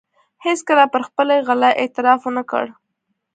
هېڅکله پر خپلې غلا اعتراف و نه کړ.